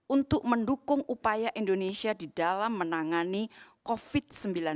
untuk mendukung upaya indonesia di dalam menangani covid sembilan belas